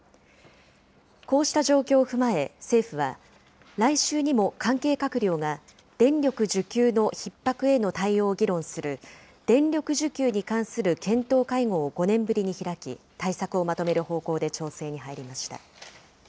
こうした状況を踏まえ、政府は、来週にも関係閣僚が電力需給のひっ迫への対応を議論する、電力需給に関する検討会合を５年ぶりに開き、対策をまとめる方向で調整に入りました。